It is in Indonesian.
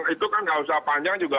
itu kan nggak usah panjang juga